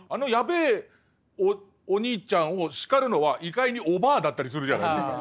おにいちゃんを叱るのは意外におばぁだったりするじゃないですか。